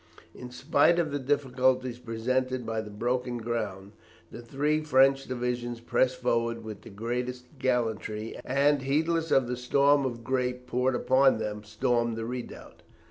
In spite of the difficulties presented by the broken ground, the three French divisions pressed forward with the greatest gallantry, and, heedless of the storm of grape poured upon them, stormed the redoubt.